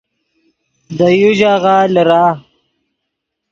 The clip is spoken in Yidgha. دے یو ژاغہ لیرہ